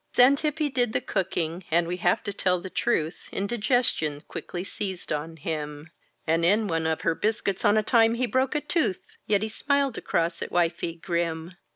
Xantippe did the cooking, and (we have to tell the truth) Indigestion quickly seized on him, And in one of her biscuits on a time he broke a tooth, Yet he smiled across at wifey grim.